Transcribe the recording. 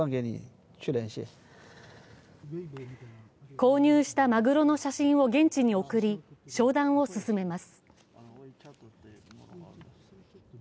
購入したマグロの写真を現地に送り、商談を進めます。